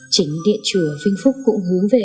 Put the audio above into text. chính địa chùa vinh phúc cũng hướng về